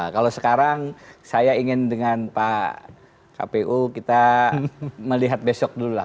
kalau sekarang saya ingin dengan pak kpu kita melihat besok dulu lah